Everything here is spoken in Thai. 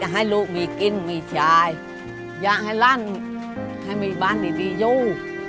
ให้ลูกมีกินมีชายอยากให้ลั่นให้มีบ้านดีอยู่